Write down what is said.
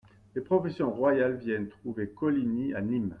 Les propositions royales viennent trouver Coligny à Nîmes.